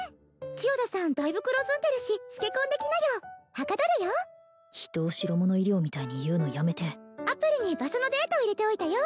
千代田さんだいぶ黒ずんでるしつけ込んできなよはかどるよ人を白物衣料みたいに言うのやめてアプリに場所のデータを入れておいたよ